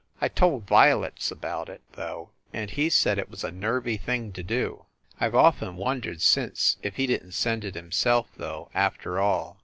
I told "Violets" about it, though, and he said it was a nervy thing to do. I ve often wondered since if he didn t send it himself, though, after all.